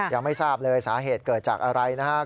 ยังไม่ทราบเลยสาเหตุเกิดจากอะไรนะครับ